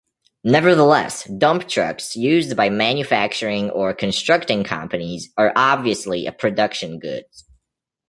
Nevertheless, dump trucks used by manufacturing or constructing companies are obviously a production goods.